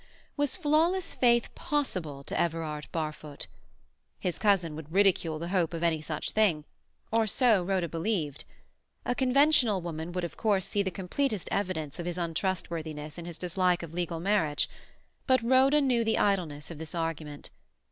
Was flawless faith possible to Everard Barfoot? His cousin would ridicule the hope of any such thing—or so Rhoda believed. A conventional woman would of course see the completest evidence of his untrustworthiness in his dislike of legal marriage; but Rhoda knew the idleness of this argument.